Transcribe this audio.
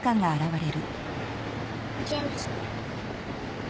行っちゃいました。